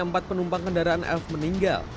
empat penumpang kendaraan f meninggal